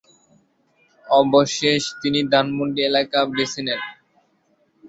অবশেষ তিনি ধানমন্ডি এলাকা বেছে নেন।